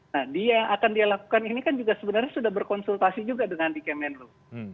nah dia yang akan dia lakukan ini kan juga sebenarnya sudah berkonsultasi juga dengan di kemenlu